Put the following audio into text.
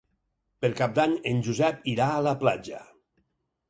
Per Cap d'Any en Josep irà a la platja.